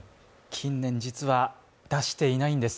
近年、実は出していないんです。